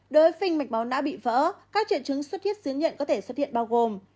đối với phình mạch máu não bị vỡ các triệu chứng xuất huyết dưới nhện có thể xuất hiện bao gồm